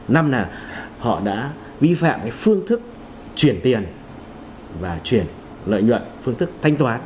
năm là họ đã vi phạm cái phương thức chuyển tiền và chuyển lợi nhuận phương thức thanh toán